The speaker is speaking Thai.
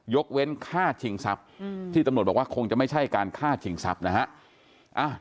เว้นฆ่าชิงทรัพย์ที่ตำรวจบอกว่าคงจะไม่ใช่การฆ่าชิงทรัพย์นะฮะ